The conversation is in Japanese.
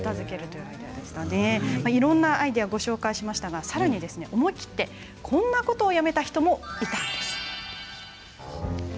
いろんなアイデアをご紹介しましたがさらに思い切ってこんなことをやめた人もいたんです。